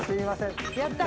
やった！